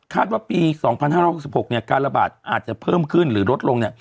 ว่าปี๒๕๖๖การระบาดอาจจะเพิ่มขึ้นหรือลดลง